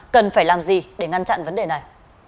cần phải làm gì để ngăn chặn vấn đề này